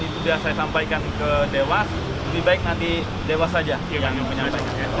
saya sampaikan ke dewas lebih baik nanti dewas saja yang menyampaikan